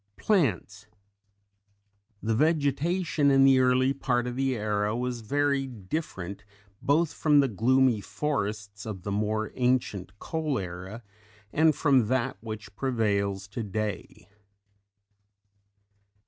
Plants. The vegetation in the early part of the era was very different both from the gloomy forests of the more ancient Coal Era and from that which prevails today.